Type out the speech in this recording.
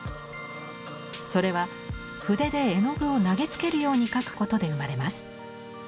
それは筆で絵の具を投げつけるように描くことで生まれます。